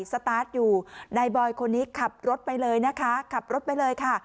สตาร์ทอยู่นายบอยคนนี้ขับรถไปเลยนะคะขับรถไปเลยค่ะ